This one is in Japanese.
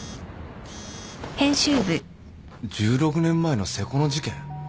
１６年前の瀬古の事件？